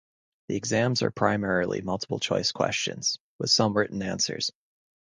The exams are primarily multiple choice questions, with some written answers.